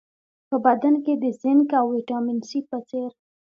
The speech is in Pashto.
په بدن کې د زېنک او ویټامین سي په څېر